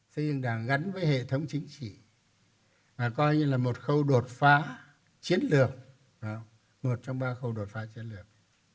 xây dựng đảng gắn với hệ thống chính trị mà coi như là một khâu đột phá chiến lược một trong ba khâu đột phá chiến lược